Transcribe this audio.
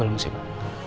belum sih pak